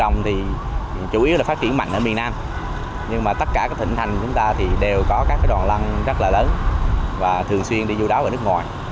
nhưng mà tất cả các thịnh thành chúng ta thì đều có các đoàn lân rất là lớn và thường xuyên đi vô đói vào nước ngoài